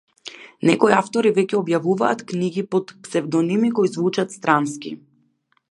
Некои автори веќе објавуваат книги под псевдоними кои звучат странски.